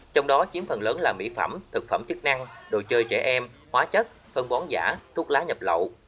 trong đó chiếm phần lớn là mỹ phẩm thực phẩm chức năng đồ chơi trẻ em hóa chất phân bón giả thuốc lá nhập lậu